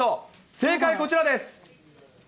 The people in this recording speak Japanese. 正解、こちらです。